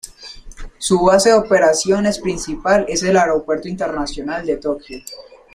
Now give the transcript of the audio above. Su base de operaciones principal es el Aeropuerto Internacional de Tokio.